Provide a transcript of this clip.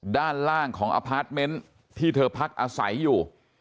ด้านล่างของอพาร์ทเมนต์ที่เธอพักอาศัยอยู่